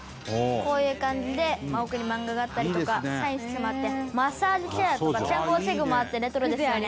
こういう感じで奥に漫画があったりとかサイン色紙もあってマッサージチェアとか健康器具もあってレトロですよね」